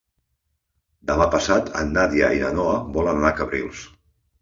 Demà passat na Nàdia i na Noa volen anar a Cabrils.